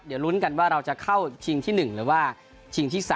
เดี๋ยวลุ้นกันว่าเราจะเข้าชิงที่๑หรือว่าชิงที่๓